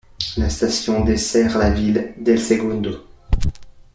La station dessert la ville d'El Segundo.